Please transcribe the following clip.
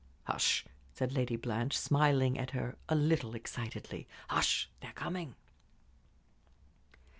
"Hush!" said Lady Blanche, smiling at her a little excitedly. "Hush; they're coming!"